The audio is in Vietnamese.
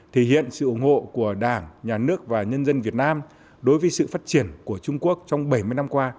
thể hiện sự ủng hộ của đảng nhà nước và nhân dân việt nam đối với sự phát triển của trung quốc trong bảy mươi năm qua